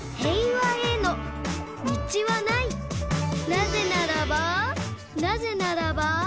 「なぜならばなぜならば」